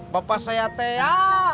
bapak saya teya